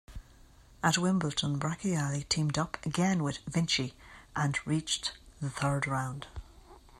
At Wimbledon, Bracciali teamed up again with Vinci and reached the third round.